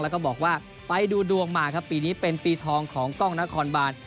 แล้วก็บอกว่าไปดูดวงมาครับปีนี้เป็นปีทองของกล้องนครบาน